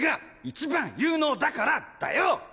一番有能だから！だよ！